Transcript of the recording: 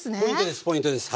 ポイントです